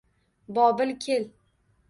Bobil kel!